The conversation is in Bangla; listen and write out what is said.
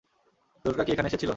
দ্বোরকা কি এখানে এসেছিল?